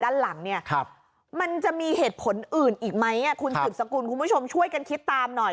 ด้านหลังเนี่ยมันจะมีเหตุผลอื่นอีกไหมคุณสืบสกุลคุณผู้ชมช่วยกันคิดตามหน่อย